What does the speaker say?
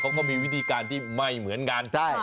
เขาก็มีวิธีการที่ไม่เหมือนกัน